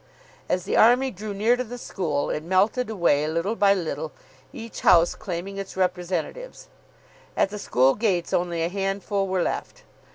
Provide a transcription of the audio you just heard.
As the army drew near to the school, it melted away little by little, each house claiming its representatives. At the school gates only a handful were left.